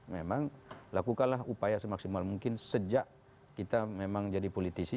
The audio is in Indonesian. memang lakukanlah upaya semaksimal mungkin sejak kita memang jadi politisi